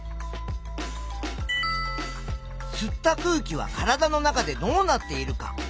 「吸った空気は体の中でどうなっている」か？